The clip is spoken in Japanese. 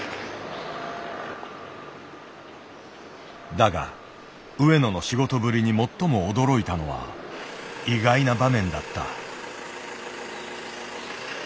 だが上野の仕事ぶりに最も驚いたのは意外な場面だった。